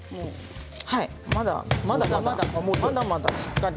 まだまだしっかり。